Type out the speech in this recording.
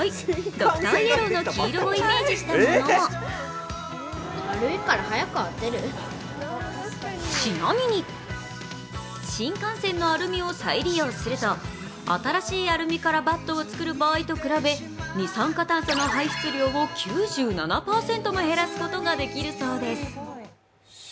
ドクターイエローの黄色をイメージしたものもちなみに新幹線のアルミを再利用すると新しいアルミからバットを作る場合と比べ二酸化炭素の排出量を９７％も減らすことができるそうです。